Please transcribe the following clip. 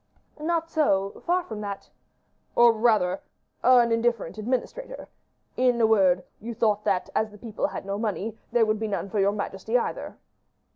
"Not so; far from that." "Or, rather an indifferent administrator. In a word, you thought that, as the people had no money, there would be none for your majesty either."